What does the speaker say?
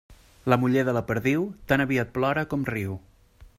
La muller de la perdiu, tan aviat plora com riu.